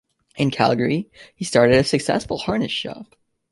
In Calgary, he started a successful harness shop.